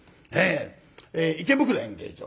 池袋演芸場。